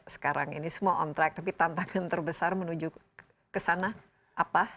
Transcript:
sekarang ini semua on track tapi tantangan terbesar menuju ke sana apa